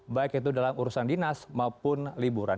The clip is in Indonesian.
baik itu dalam urusan dinas maupun liburan